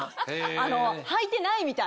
あのはいてないみたい。